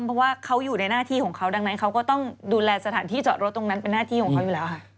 เพราะว่าเขาอยู่ในหน้าที่ของเขาดังนั้นเขาก็ต้องดูแลสถานที่จอดรถตรงนั้นเป็นหน้าที่ของเขาอยู่แล้วค่ะ